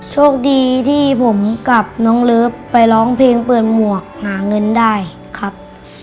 โชคดีที่ผมกับน้องเลิฟไปร้องเพลงเปิดหมวกหาเงินได้ครับ